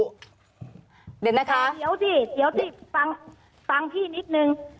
เดี๋ยวนะคะเดี๋ยวสิฟังพี่นิดนึง